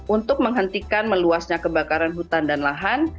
untuk menghentikan meluasnya kebakaran hutan dan lahan